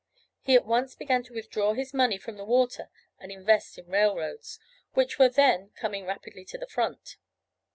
He at once began to withdraw his money from the water and invest in railroads, which were then coming rapidly to the front.